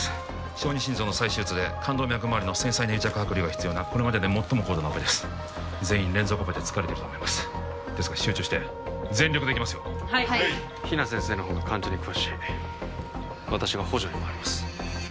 小児心臓の再手術で冠動脈周りの繊細な癒着剥離が必要なこれまでで最も高度なオペです全員連続オペで疲れていると思いますですが集中して全力でいきますよはい比奈先生の方が患者に詳しい私が補助に回ります